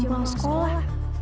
pas jempol sekolah